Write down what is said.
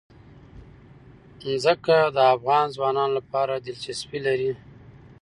ځمکه د افغان ځوانانو لپاره دلچسپي لري.